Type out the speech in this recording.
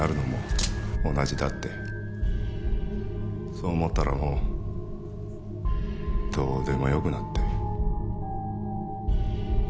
そう思ったらもうどうでもよくなって。